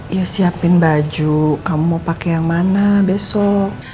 ya siapin baju kamu pakai yang mana besok